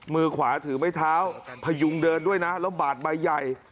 มือขวาถือไม้เท้าพยุงเดินด้วยนะแล้วบาดใบใหญ่